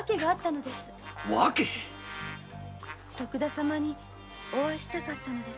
徳田様にお会いしたかったのです。